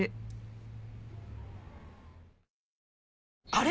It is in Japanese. あれ？